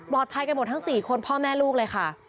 ภัยกันหมดทั้ง๔คนพ่อแม่ลูกเลยค่ะ